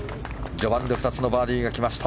序盤で２つのバーディーがきました。